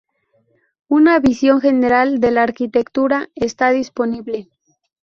Una visión general de la arquitectura está disponible.